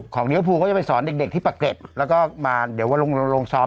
ของเลี้ยวภูเขาจะไปสอนเด็กที่ปะเก็บแล้วก็มาเดี๋ยวว่าลงซ้อม